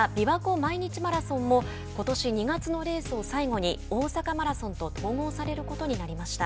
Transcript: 毎日マラソンもことし２月のレースを最後に大阪マラソンと統合されることになりました。